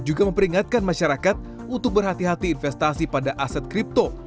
juga memperingatkan masyarakat untuk berhati hati investasi pada aset kripto